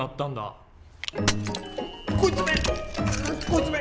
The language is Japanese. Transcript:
こいつめ！